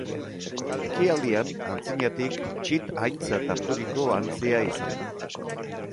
Ekialdean antzinatik txit aintzat harturiko antzea izan da.